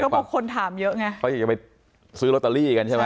เพราะคนถามเยอะไงเขาอยากจะไปซื้อลอตเตอรี่กันใช่ไหม